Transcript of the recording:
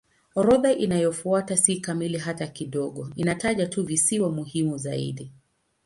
Orodha inayofuata si kamili hata kidogo; inataja tu visiwa muhimu zaidi.